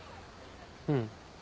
うん。